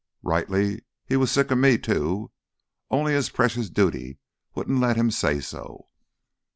Rightly he was sick of me, too, only his precious duty wouldn't let him say so.